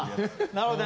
なるほど。